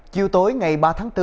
chiều tối ngày ba tháng bốn